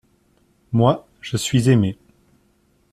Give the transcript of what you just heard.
Moi, je suis aimé.